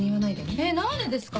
えっ何でですか？